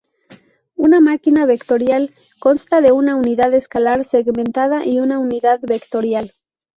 Una máquina vectorial consta de una unidad escalar segmentada y una unidad vectorial.